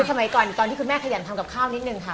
สมัยก่อนตอนที่คุณแม่ขยันทำกับข้าวนิดนึงค่ะ